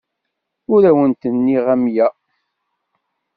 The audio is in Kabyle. Ur awent-nniɣ amya.